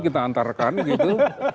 kita antarkan gitu